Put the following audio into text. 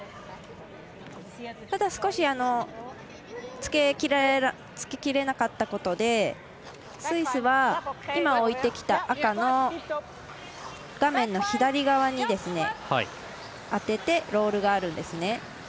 ただ、少しつけきれなかったことでスイスは今、置いてきた赤の画面の左側に当ててロールがあるんですね。